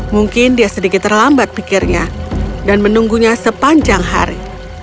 mungkin dia sedikit terlambat pikirnya dan menunggunya sepanjang hari